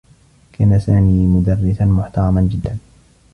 كان سامي مدرّسا محترما جدّا.